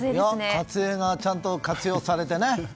「かつエ」がちゃんと活用されてね。